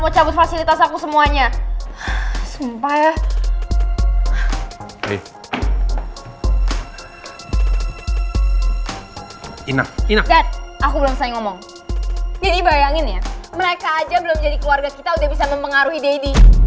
jadi bayangin ya mereka aja belum jadi keluarga kita udah bisa mempengaruhi daddy